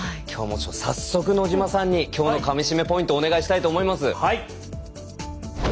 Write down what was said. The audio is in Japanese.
きょうも早速、野島さんにきょうのかみしめポイントお願いしたいと思います。